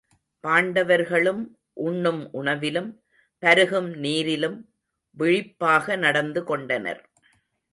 பாண்டவர்களும் உண்ணும் உணவிலும், பருகும் நீரிலும் விழிப்பாக நடந்து கொண்டனர்.